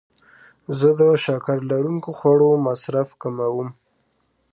زه د شکر لرونکو خوړو مصرف کموم.